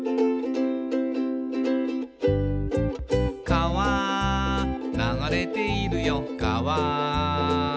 「かわ流れているよかわ」